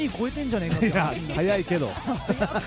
速いけど。